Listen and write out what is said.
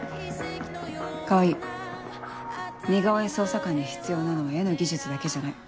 似顔絵捜査官に必要なのは絵の技術だけじゃない。